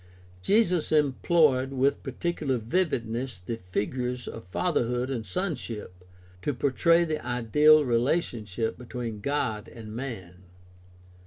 Jesus employed with particular vividness the figures of fatherhood and sonship to portray the ideal relationship between God and man.